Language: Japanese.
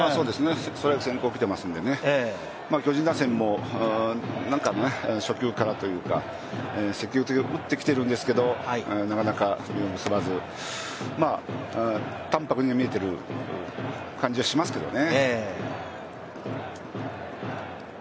ストライク先行で来ていますんでね、巨人打線も何回も初球からというか、積極的に打ってきているんですけど、なかなかゲーム進まず、淡泊には見えている感じはしますけどね。